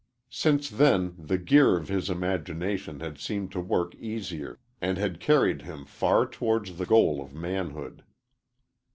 Since then the gear of his imagination had seemed to work easier, and had carried him far towards the goal of manhood.